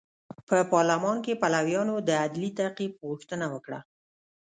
په پارلمان کې پلویانو د عدلي تعقیب غوښتنه وکړه.